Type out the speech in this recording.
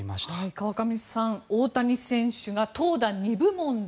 川上さん、大谷選手が投打２部門で。